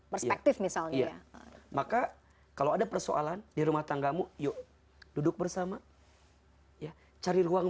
perspektif misalnya maka kalau ada persoalan di rumah tanggamu yuk duduk bersama ya cari ruang